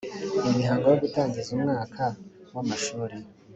imihango yo gutangiza umwaka w amashuri